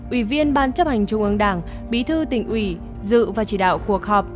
ủy viên ban chấp hành trung ương đảng bí thư tỉnh ủy dự và chỉ đạo cuộc họp